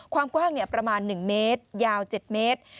ความกว้างประมาณ๑เมตรยาว๗เมตร